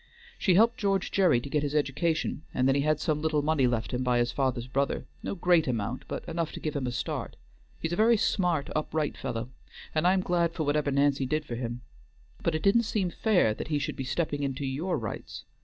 She helped George Gerry to get his education, and then he had some little money left him by his father's brother, no great amount, but enough to give him a start; he's a very smart, upright fellow, and I am glad for whatever Nancy did for him; but it didn't seem fair that he should be stepping into your rights.